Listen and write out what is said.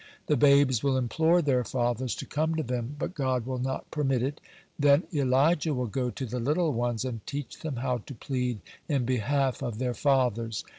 The babes will implore their fathers to come to them, but God will not permit it. Then Elijah will go to the little ones, and teach them how to plead in behalf of their fathers.